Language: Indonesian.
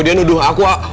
dia nuduh aku